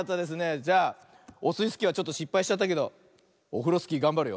じゃあオスイスキーはちょっとしっぱいしちゃったけどオフロスキーがんばるよ。